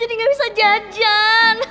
ini gak bisa jajan